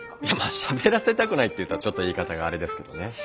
いやしゃべらせたくないって言ったらちょっと言い方があれですけどね。